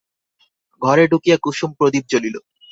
ঘরে ঢুকিয়া কুসুম প্রদীপ জ্বলিল।